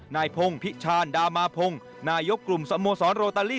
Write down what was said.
นายพงศ์พิชานดามาพงศ์นายกกลุ่มสโมสรโรตาลี